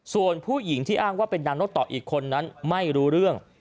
ส่วนผู้หญิงที่อ้างว่าเป็นนางนกต่ออีกคนนั้นไม่รู้เรื่อง